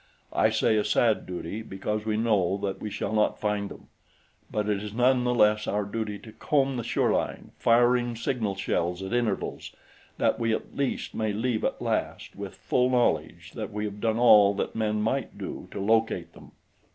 I say a sad duty because we know that we shall not find them; but it is none the less our duty to comb the shoreline, firing signal shells at intervals, that we at least may leave at last with full knowledge that we have done all that men might do to locate them."